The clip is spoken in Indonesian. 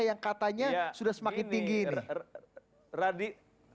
yang katanya sudah semakin tinggi radi